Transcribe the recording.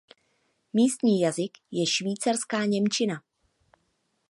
Místní jazyk je švýcarská němčina.